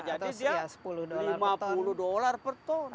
bisa jadi dia lima puluh dolar per ton